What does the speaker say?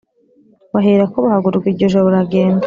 baherako bahaguruka iryo joro, baragenda